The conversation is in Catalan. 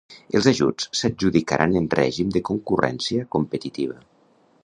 Els ajuts s’adjudicaran en règim de concurrència competitiva.